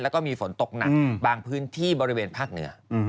แล้วก็มีฝนตกหนักบางพื้นที่บริเวณภาคเหนือ